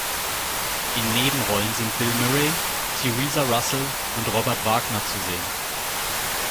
In Nebenrollen sind Bill Murray, Theresa Russell und Robert Wagner zu sehen.